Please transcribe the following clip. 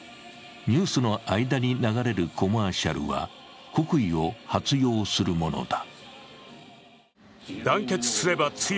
ニュースの間に流れるコマーシャルは国威を発揚するものだ。